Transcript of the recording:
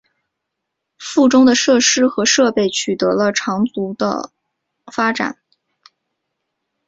附中的设施和设备取得了长足的发展。